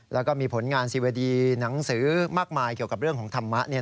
แล้วก็มีผลงานซีเวดีหนังสือมากมายเกี่ยวกับเรื่องของธรรมะ